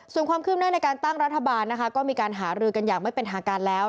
ส่วนความคืบหน้าในการตั้งรัฐบาลนะคะก็มีการหารือกันอย่างไม่เป็นทางการแล้ว